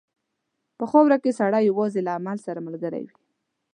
په خاوره کې سړی یوازې له عمل سره ملګری وي.